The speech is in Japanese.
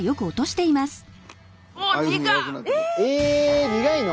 ええ苦いの！？